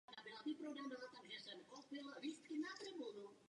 Nejvyšších vodních stavů dosahuje od června do srpna.